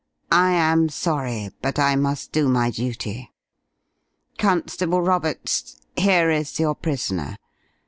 "I am sorry, but I must do my duty. Constable Roberts, here is your prisoner.